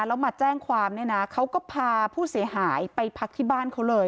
แล้วมาแจ้งความเนี่ยนะเขาก็พาผู้เสียหายไปพักที่บ้านเขาเลย